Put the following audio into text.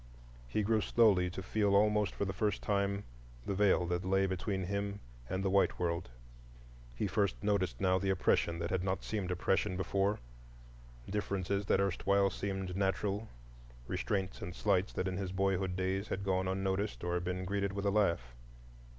He grew slowly to feel almost for the first time the Veil that lay between him and the white world; he first noticed now the oppression that had not seemed oppression before, differences that erstwhile seemed natural, restraints and slights that in his boyhood days had gone unnoticed or been greeted with a laugh.